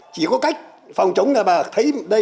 chỉ có cách phòng chống là bà thấy